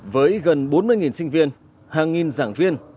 với gần bốn mươi sinh viên hàng nghìn giảng viên